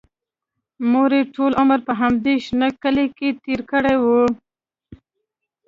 مور یې ټول عمر په همدې شنه کلي کې تېر کړی و